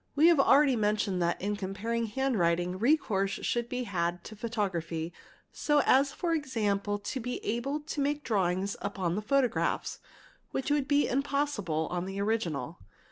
We have already mentioned that in — comparing handwriting recourse should be had to photography so as for — example to be able to make drawings upon the photographs, which would — be impossible on the original.